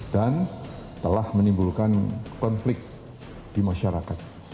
dan telah menimbulkan konflik di masyarakat